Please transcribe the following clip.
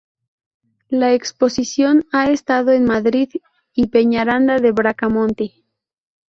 La exposición ha estado en Madrid y Peñaranda de Bracamonte.